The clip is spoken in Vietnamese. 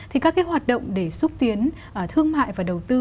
thì các cái hoạt động để xúc tiến thương mại và đầu tư